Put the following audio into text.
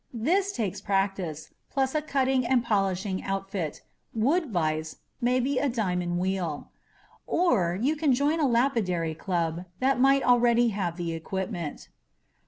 This takes practice, plus a cutting and polishing outfit, wood vise, maybe a diamond wheel. (Or you can join a lapidary club that might already have the equipment).